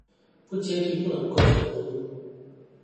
不接地不能構成迴路